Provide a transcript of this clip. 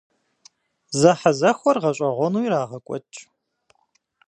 Зэхьэзэхуэр гъэщӀэгъуэну ирагъэкӀуэкӀ.